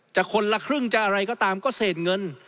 คนละครึ่งจะอะไรก็ตามก็เศษเงิน